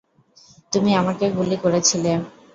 তুমি আমাকে গুলি করেছিলে।